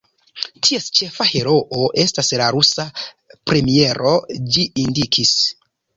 Ties ĉefa heroo estas la rusa premiero," ĝi indikis.